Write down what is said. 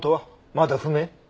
まだ不明？